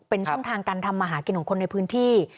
เป็นช่องทางการทำมาหากินของคนในพื้นที่